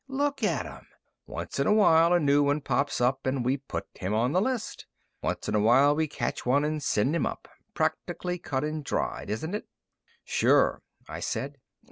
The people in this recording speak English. Look at 'em! Once in a while a new one pops up, and we put him on the list. Once in a while we catch one and send him up. Practically cut and dried, isn't it?" "Sure," I said.